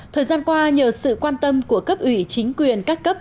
thời gian qua nhờ sự quan tâm của cấp ủy chính quyền các cấp